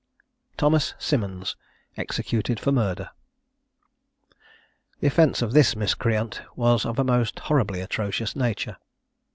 THOMAS SIMMONS. EXECUTED FOR MURDER. The offence of this miscreant was of a most horribly atrocious nature.